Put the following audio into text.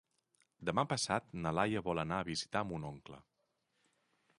Demà passat na Laia vol anar a visitar mon oncle.